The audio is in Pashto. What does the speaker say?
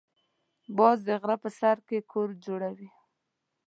باز د غره په سر کې کور جوړوي